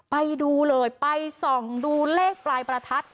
ไปดูเลยไปส่องดูเลขปลายประทัด